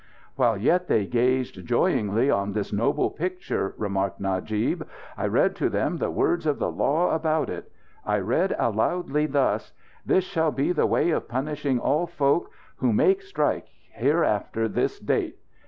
"_ "While yet they gazed joyingly on this noble picture," remarked Najib, "I read to them the words of the law about it. I read aloudly, thus: 'This shall be the way of punishing all folk who make strike hereafter this date.'